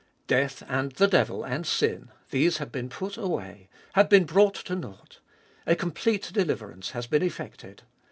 Death and the devil and sin : these have been put away, have been brought to nought. A complete deliverance has been effected.